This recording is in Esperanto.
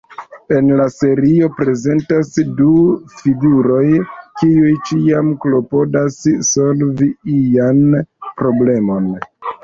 En la serio prezentas du figuroj, kiuj ĉiam klopodas solvi ian problemon.